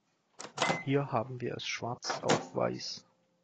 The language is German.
Hier haben wir es schwarz auf weiß.